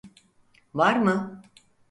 Var mı?